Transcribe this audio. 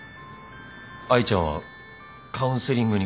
愛ちゃんはカウンセリングに通ってたの？